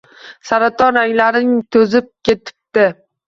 Saraton — ranglaring to‘zib ketibdi